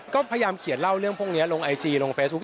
ก็พยายามเขียนเล่าเรื่องพวกนี้ลงไอจีลงเฟซบุ๊